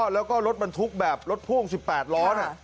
แล้วก็รถบรรทุกแบบรถพ่วง๑๘ล้อน่ะ